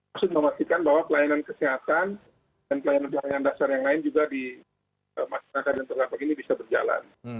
maksud memastikan bahwa pelayanan kesehatan dan pelayanan pelayanan dasar yang lain juga di masyarakat yang terdampak ini bisa berjalan